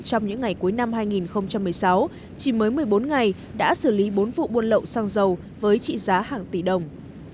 trong những ngày cuối năm hai nghìn một mươi sáu chỉ mới một mươi bốn ngày đã xử lý bốn vụ buôn lậu xăng dầu với trị giá hàng tỷ đồng